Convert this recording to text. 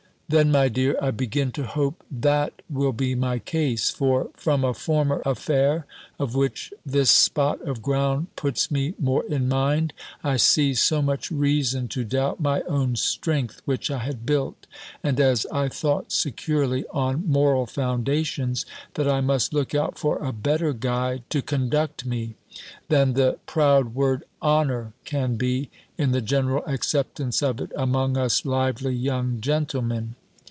"Then, my dear, I begin to hope, that will be my case; for, from a former affair, of which this spot of ground puts me more in mind, I see so much reason to doubt my own strength, which I had built, and, as I thought securely, on moral foundations, that I must look out for a better guide to conduct me, than the proud word honour can be, in the general acceptance of it among us lively young gentlemen.